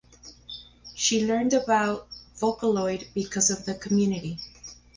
She learned about Vocaloid because of the community.